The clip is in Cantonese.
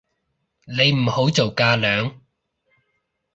你唔好做架樑